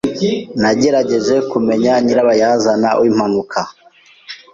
Nagerageje kumenya nyirabayazana w'impanuka.